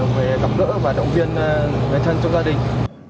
về tập đỡ và động viên người thân trong gia đình